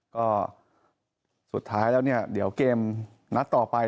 ก็สุดท้ายแล้วเนี่ยเดี๋ยวเกมนัดต่อไป